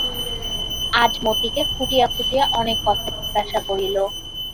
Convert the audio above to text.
আজ মতিকে খুঁটিয়া খুঁটিয়া অনেক কথা জিজ্ঞাসা করিল।